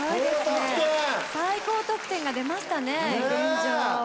最高得点が出ましたね現状。